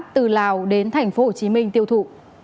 từ lào đến tp hcm tiêu thụ